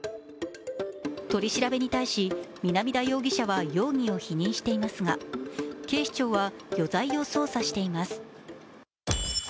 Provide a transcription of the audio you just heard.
取り調べに対し南田容疑者は容疑を否認していますが警視庁は余罪を捜査しています。